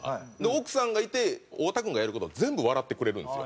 奥さんがいて太田君がやる事は全部笑ってくれるんですよ。